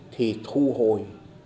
thì thu hồi